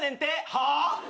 はあ？